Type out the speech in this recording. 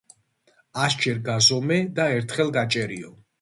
ასჯერ გაზომე და ერთხელ გაჭერიო.